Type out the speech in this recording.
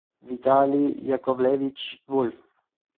Vitalij Jakovlevič Vul'f